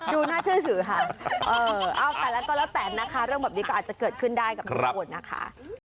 ดูหน้าชื่อสื่อค่ะเออตัดแล้วก็ละแปดนะคะเรื่องแบบนี้ก็อาจจะเกิดขึ้นได้กับคุณพุทธนะคะ